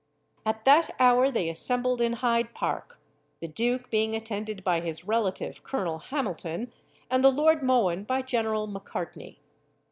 At that hour they assembled in Hyde Park, the duke being attended by his relative Colonel Hamilton, and the Lord Mohun by General Macartney.